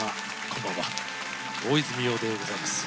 こんばんは大泉洋でございます。